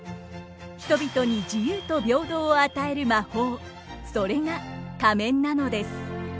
人々に自由と平等を与える魔法それが仮面なのです。